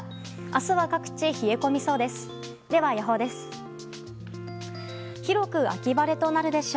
明日は各地、冷え込みそうです。